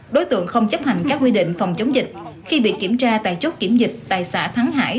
đối tượng không chấp hành các quy định phòng chống dịch khi bị kiểm tra tại chốt kiểm dịch tại xã thắng hải